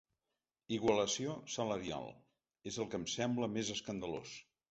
Igualació salarial, és el que em sembla més escandalós.